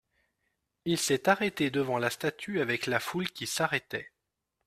Il s'est arrêté devant la statue avec la foule qui s'arrêtait.